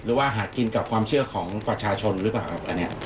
หรือว่าหากินกับความเชื่อของประชาชนหรือเปล่า